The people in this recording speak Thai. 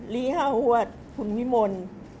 ลีห้าหวัดขุนมิมล